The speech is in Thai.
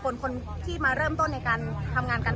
ยังไม่มีวัตเงียบ